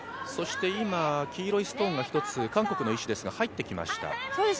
そして今、黄色いストーンが１つ、韓国の石ですが、入ってきました。